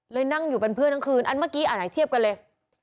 นั่งอยู่เป็นเพื่อนทั้งคืนอันเมื่อกี้อันไหนเทียบกันเลย